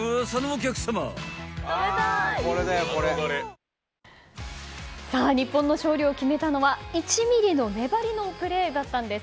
へぇ日本の勝利を決めたのは１ｍｍの粘りのプレーだったんです。